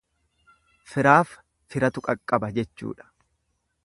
Firaaf firatu qaqqaba jechuudha.